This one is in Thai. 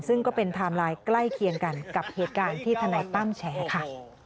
ซึ่งก็เป็นไทม์ไลน์ใกล้เคียงกันกับเหตุการณ์ที่ทนายตั้มแฉค่ะ